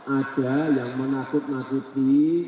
ada yang menakut nakuti